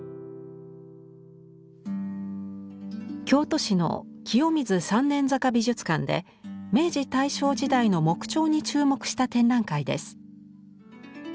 京都市の清水三年坂美術館で明治・大正時代の木彫に注目した展覧会です。